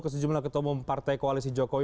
kesujumlah ketemu partai koalisi jokowi